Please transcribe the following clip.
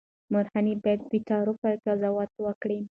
مورخین باید بېطرفه قضاوت وکړي.